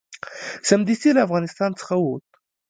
سمدستي له افغانستان څخه ووت.